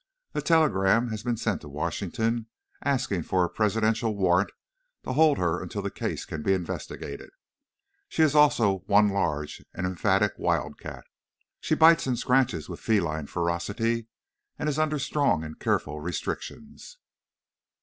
A telegram has been sent to Washington asking for a presidential warrant to hold her until the case can be investigated. She is also one large and emphatic wildcat! She bites and scratches with feline ferocity, and is under strong and careful restrictions."